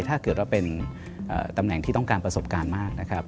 ถ้าเกิดว่าเป็นตำแหน่งที่ต้องการประสบการณ์มากนะครับ